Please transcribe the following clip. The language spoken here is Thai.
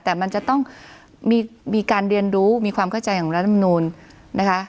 แต่มันจะต้องมีการเรียนรู้มีความเข้าใจของรัฐมนูลนะคะ